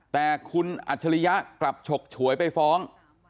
แต่คุณอัจฉริยะกลับฉกฉวยไปฟ้อง